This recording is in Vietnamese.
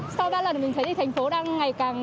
sau ba lần mình thấy thì thành phố đang ngày càng